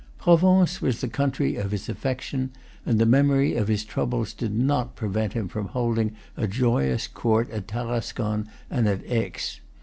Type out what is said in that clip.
Provence was the country of his affection, and the memory of his troubles did not prevent him from holding a joyous court at Tarascon and at Aix.